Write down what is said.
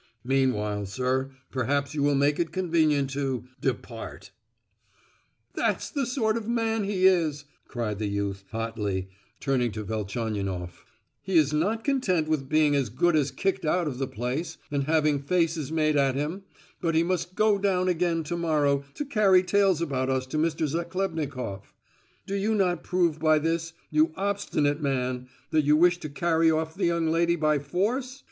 Meanwhile, sir, perhaps you will make it convenient to—depart." "That's the sort of man he is," cried the youth, hotly, turning to Velchaninoff: "he is not content with being as good as kicked out of the place, and having faces made at him, but he must go down again to morrow to carry tales about us to Mr. Zachlebnikoff. Do you not prove by this, you obstinate man, that you wish to carry off the young lady by force?